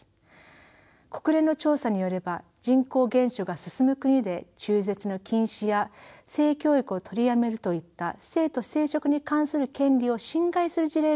国連の調査によれば人口減少が進む国で中絶の禁止や性教育を取りやめるといった性と生殖に関する権利を侵害する事例が見受けられます。